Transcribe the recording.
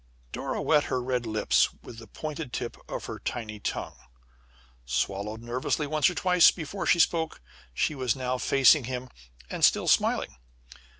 Dora wet her red lips with the pointed tip of her tiny tongue; swallowed nervously once or twice, before she spoke. She was now facing him, and still smiling.